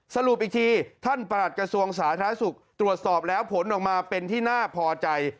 สรุปอีกทีท่านประหลัดกระทรวงสาธารณสุขตรวจสอบแล้วผลออกมาเป็นที่น่าพอใจ